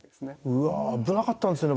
うわ危なかったんですね